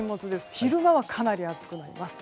昼間はかなり暑くなります。